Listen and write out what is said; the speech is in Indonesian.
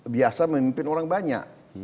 biasa memimpin orang banyak